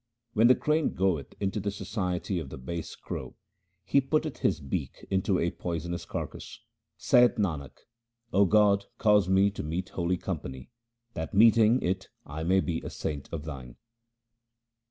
When the crane goeth into the society of the base crow, he putteth his beak into a poisonous carcass. Saith Nanak, O God, cause me to meet holy company, that meeting it I may be made a saint of Thine.